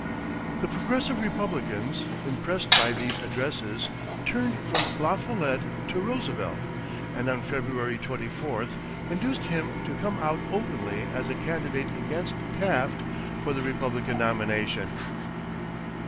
The Progressive Republicans, impressed by these addresses, turned from La Follette to Roosevelt and on February 24, induced him to come out openly as a candidate against Taft for the Republican nomination.